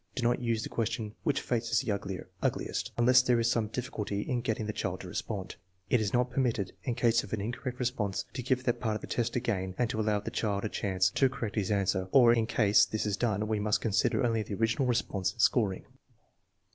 Do not use the question, " Which face is the uglier (ugliest)? " unless there is some difficulty in getting the child to respond. It is not permitted, in case of an incorrect response, to give that part of the test again and to allow 166 THE MEASUREMENT OF INTELLIGENCE the child a chance to correct his answer; or, in case this is done, we must consider only the original response in scoring.